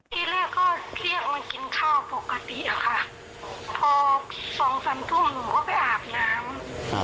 ที่แรกก็เรียกมากินข้าวปกติอะค่ะพอสองสามทุ่มหนูก็ไปอาบน้ำ